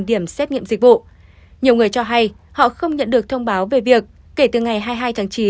điểm xét nghiệm dịch vụ nhiều người cho hay họ không nhận được thông báo về việc kể từ ngày hai mươi hai tháng chín